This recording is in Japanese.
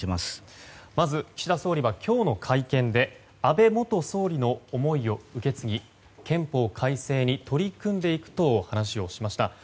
まず、岸田総理は今日の会見で安倍元総理の思いを受け継ぎ憲法改正に取り組んでいくと話をしました。